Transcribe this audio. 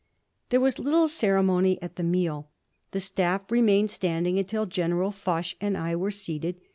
There was little ceremony at the meal. The staff remained standing until General Foch and I were seated.